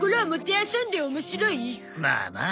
まあまあ。